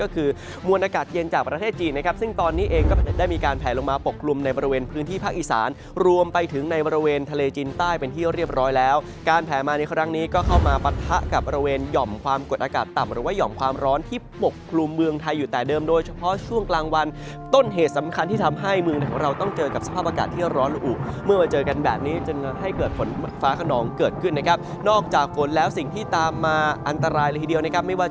กับบริเวณหย่อมความกดอากาศต่ำหรือว่าหย่อมความร้อนที่ปกรุมเมืองไทยอยู่แต่เดิมโดยเฉพาะช่วงกลางวันต้นเหตุสำคัญที่ทำให้เมืองเราต้องเจอกับสภาพอากาศที่ร้อนหรืออุ่นเมื่อเจอกันแบบนี้จะให้เกิดฝนฟ้าขนองเกิดขึ้นนะครับนอกจากฝนแล้วสิ่งที่ตามมาอันตรายละทีเดียวนะครับไม่ว่า